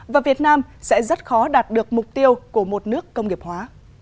và việt nam sẽ rất khó đạt được mục tiêu của một nước công nghiệp hóa